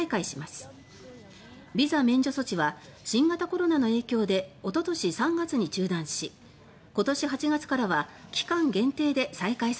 ビザ免除措置は新型コロナの影響でおととし３月に中断し今年８月からは期間限定で再開されていました。